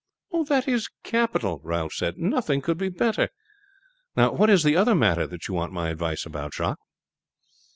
"That is capital," Ralph said. "Nothing could be better. Now, what is the other matter that you want my advice about, Jacques?"